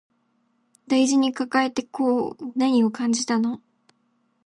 大事に抱えてこう何を感じたの